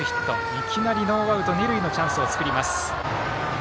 いきなりノーアウト二塁のチャンスを作ります。